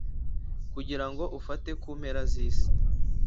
kugira ngo ufate ku mpera z’isi